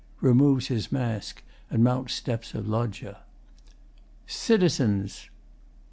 [Removes his mask and mounts steps of Loggia.] Citizens!